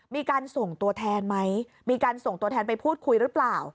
มีการส่งตัวแทนไหมมีการส่งตัวแทนไปพูดคุยหรือเปล่า